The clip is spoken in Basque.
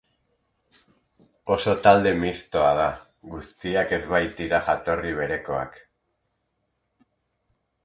Oso talde mistoa da, guztiak ez baitira jatorri berekoak.